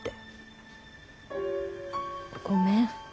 ごめん。